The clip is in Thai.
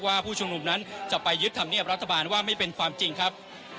ผู้ชุมนุมนั้นจะไปยึดธรรมเนียบรัฐบาลว่าไม่เป็นความจริงครับ